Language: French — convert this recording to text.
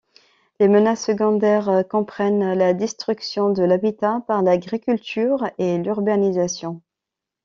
Les menaces secondaires comprennent la destruction de l'habitat par l'agriculture et l'urbanisation.